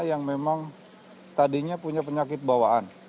yang memang tadinya punya penyakit bawaan